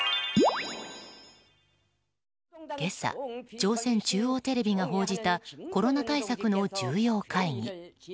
今朝、朝鮮中央テレビが報じたコロナ対策の重要会議。